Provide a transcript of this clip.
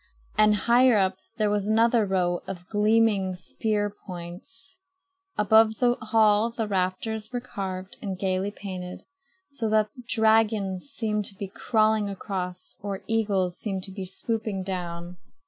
And higher up there was another row of gleaming spear points. Above the hall the rafters were carved and gaily painted, so that dragons seemed to be crawling across, or eagles seemed to be swooping down.